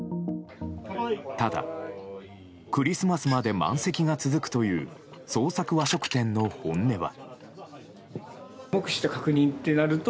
ただ、クリスマスまで満席が続くという創作和食店の本音は。